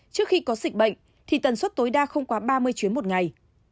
trước khi có dịch bệnh thì tần suất tối đa không quá ba mươi chuyến một ngày